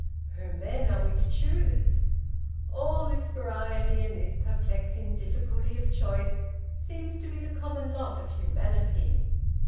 "Whom, then, are we to choose? All this variety, and this perplexing difficulty of choice, seems to be the common lot of humanity.